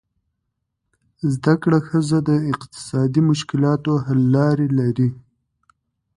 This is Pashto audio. زده کړه ښځه د اقتصادي مشکلاتو حل لارې لري.